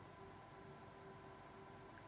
dan juga sama dengan ada yang menafsirkan yang lain